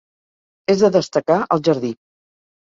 És de destacar el jardí.